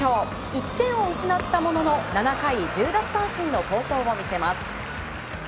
１点を失ったものの７回１０奪三振の好投を見せます。